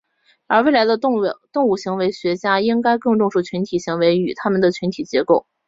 而未来的动物行为学家应该更重视群体的行为与它们的群体结构。